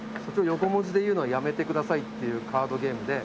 横文字で言うのは止めてください」っていうカードゲームで。